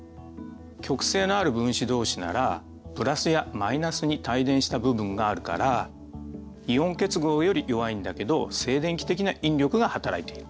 極性のある分子どうしならプラスやマイナスに帯電した部分があるからイオン結合より弱いんだけど静電気的な引力がはたらいている。